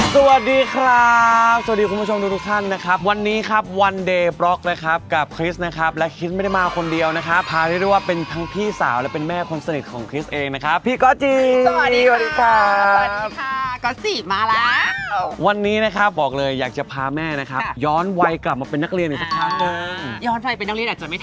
สวัสดีครับสวัสดีคุณผู้ชมทุกทุกท่านนะครับวันนี้ครับวันเดย์บล็อกนะครับกับคริสนะครับและคริสไม่ได้มาคนเดียวนะครับพาเรียกได้ว่าเป็นทั้งพี่สาวและเป็นแม่คนสนิทของคริสเองนะครับพี่ก๊อตจริงสวัสดีครับสวัสดีค่ะก๊อตสิมาแล้ววันนี้นะครับบอกเลยอยากจะพาแม่นะครับย้อนวัยกลับมาเป็นนักเรียนอีกสักครั้งหนึ่ง